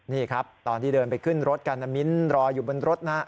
นี่ครับตอนที่เดินไปขึ้นรถกันนะมิ้นต์